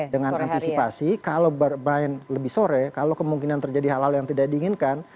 dengan antisipasi kalau bermain lebih sore kalau kemungkinan terjadi hal hal yang tidak diinginkan